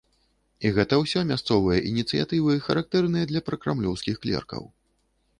І гэта ўсё мясцовыя ініцыятывы, характэрныя для пракрамлёўскіх клеркаў.